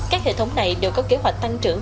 các hệ thống này đều có kế hoạch tăng trưởng